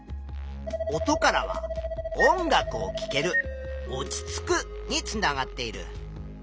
「音」からは「音楽をきける」「おちつく」につながっている。